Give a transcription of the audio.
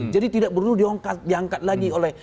jadi tidak perlu diangkat lagi oleh